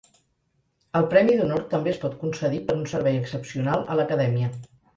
El Premi d'Honor també es pot concedir per un servei excepcional a l'Acadèmia.